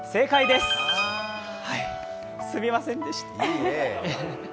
すみませんでした。